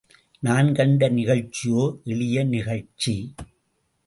நான் கண்ட நிகழ்ச்சியோ, எளிய நிகழ்ச்சி.